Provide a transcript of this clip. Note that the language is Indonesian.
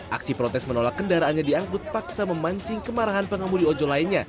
aksi protes menolak kendaraannya diangkut paksa memancing kemarahan pengemudi ojol lainnya